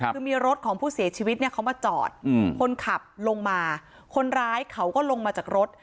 คือมีรถของผู้เสียชีวิตเนี่ยเขามาจอดคนขับลงมาคนร้ายเขาก็ลงมาจากรถ